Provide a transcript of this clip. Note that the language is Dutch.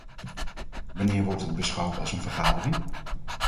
Wanneer wordt het beschouwd als een vergadering?